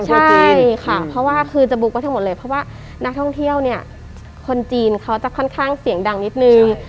ใช่ค่ะเพราะว่าคือจะบุ๊กไว้ทั้งหมดเลยเพราะว่านักท่องเที่ยวเนี่ยคนจีนเขาจะค่อนข้างเสียงดังนิดนึง